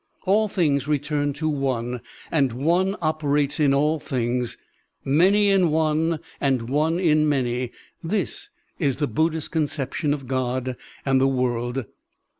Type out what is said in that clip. *' All things return to one, and one operates in all things; many in one and one in many; this is the Buddhist concep tion of God and the world.